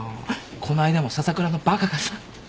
この間も笹倉のバカがさ。